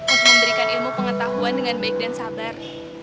untuk memberikan ilmu pengetahuan dengan baik dan sabar